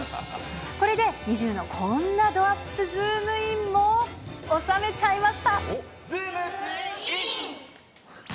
これでＮｉｚｉＵのこんなドアップズームイン！！も収めちゃいまズームイン！！